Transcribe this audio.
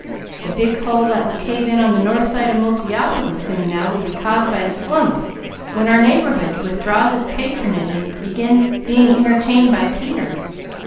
The big hole that will cave in on the north side of Multiopolis soon now will be caused by the slump when our neighbourhood withdraws its patronage and begins being entertained by Peter.